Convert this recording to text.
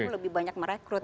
itu lebih banyak merekrut